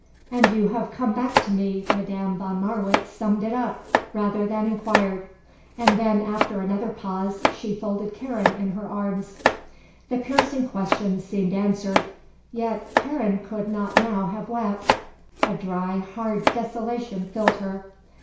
"And you have come back to me." Madame von Marwitz summed it up rather than inquired. And then, after another pause, she folded Karen in her arms. The piercing question seemed answered. Yet Karen could not now have wept. A dry, hard desolation filled her.